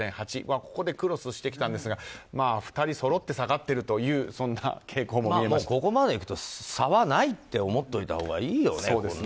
ここでクロスしてきたんですが２人そろって下がっているというここまでいくと、差はないって思ってたほうがいいよね。